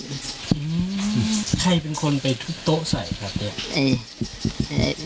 ใครเป็นคนไปทุกโต๊ะใส่ครับ